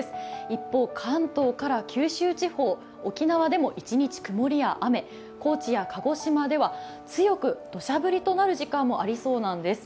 一方、関東から九州地方、沖縄でも一日、曇りや雨、高知や鹿児島では強くどしゃ降りとなる時間もありそうです。